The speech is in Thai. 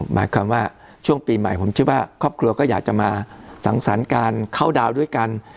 หมายความว่าช่วงปีใหม่ผมเชื่อว่าครอบครัวก็อยากจะมาสังสรรค์การเข้าดาวด้วยกัน